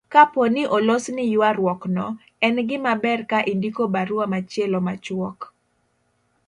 Kapo ni olosni ywaruokno, en gimaber ka indiko barua machielo machuok